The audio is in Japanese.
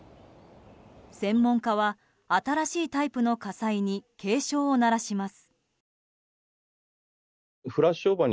専門家は新しいタイプの火災に警鐘を鳴らします。